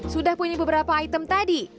sudah punya beberapa item tadi